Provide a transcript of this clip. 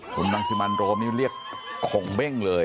คุณรังสิมันโรมนี่เรียกข่งเบ้งเลย